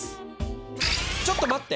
ちょっと待って！